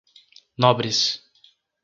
Nobres